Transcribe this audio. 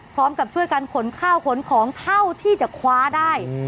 พร้อมกับช่วยกันขนข้าวขนของเท่าที่จะคว้าได้